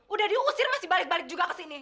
udah diusir masih balik balik juga ke sini